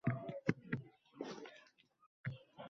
Buni koʻrib xayolimga ajoyib bir fikr keldi.